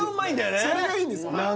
何かそれがいいんです